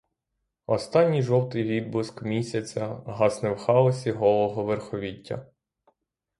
Останній жовтий відблиск місяця гасне в хаосі голого верховіття.